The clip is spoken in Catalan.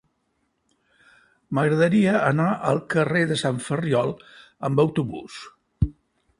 M'agradaria anar al carrer de Sant Ferriol amb autobús.